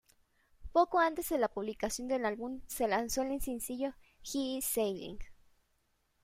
Poco antes de la publicación del álbum, se lanzó el sencillo "He is Sailing".